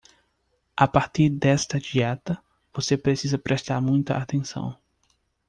A partir desta dieta, você precisa prestar muita atenção.